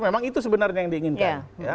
memang itu sebenarnya yang diinginkan